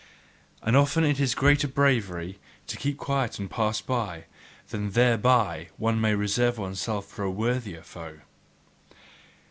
And often is it greater bravery to keep quiet and pass by, that THEREBY one may reserve oneself for a worthier foe!